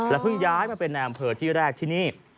เพิ่งย้ายมาเป็นในอำเภอที่แรกที่นี่